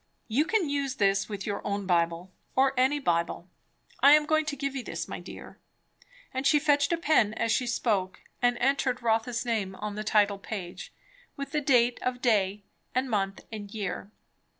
You can use this with your own Bible, or any Bible. I am going to give you this, my dear." And she fetched a pen as she spoke and entered Rotha's name on the title page, with the date of day and month and year.